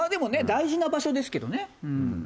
大事な場所ですけどねうん。